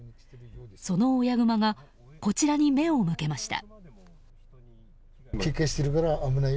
その親グマがこちらに目を向けました。